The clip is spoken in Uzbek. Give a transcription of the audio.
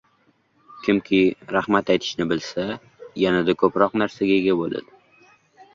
Kimki rahmat aytishni bilsa, yanada ko‘proq narsaga ega bo‘ladi.